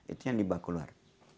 itu yang dibawa keluar